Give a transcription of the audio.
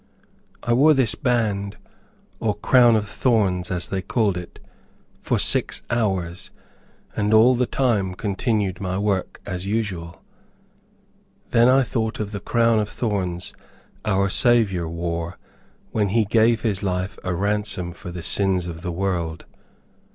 I wore this band, or "crown of thorns;" as they called it, for six hours, and all the time continued my work as usual. Then I thought of the "crown of thorns" our Saviour wore when he gave his life a ransom for the sins of the world.